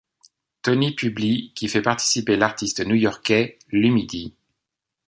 Tony publie ', qui fait participer l'artiste new-yorkais Lumidee.